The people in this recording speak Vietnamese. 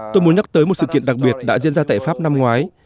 tôi muốn nhắc tới một sự kiện đặc biệt đã diễn ra tại pháp năm ngoái